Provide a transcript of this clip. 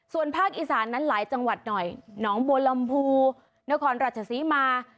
ส่วนภาคอีสานนั้นหลายจังหวัดหน่อยหนองบัวลำพูนครราชศรีมา